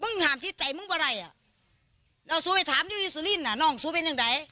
มึงห่ามที่ใจมึงเป็นไรอ่ะเราสู้ไปถามน่ะน่องสู้เป็นยังไง